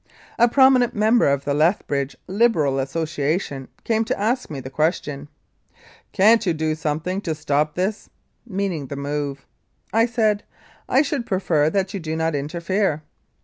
A prominent member of the Lethbridge Liberal Association came to ask me the question, "Can't we do something to stop this?" (meaning the move). I said, "I should prefer that you do not interfere."